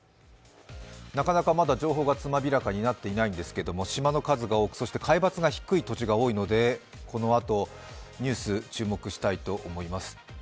なかなかまだ情報が詳らかになっていないんですけれども島の数が多く、海抜が低い土地が多いので、このあと、ニュース、注目したいと思います。